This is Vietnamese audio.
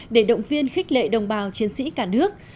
để động viên khích lệ đồng bào chiến sĩ cả nước